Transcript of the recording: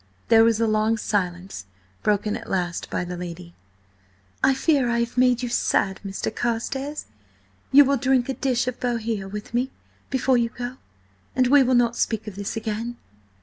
There was a long silence, broken at last by the lady. "I fear I have made you sad, Mr. Carstares. You will drink a dish of Bohea with me, before you go? And we will not speak of this again."